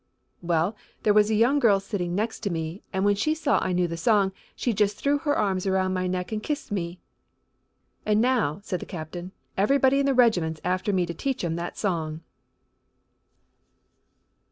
Well, there was a young girl sitting next me and when she saw that I knew the song she just threw her arms around my neck and kissed me. "And now," said the captain, "everybody in the regiment's after me to teach 'em that song."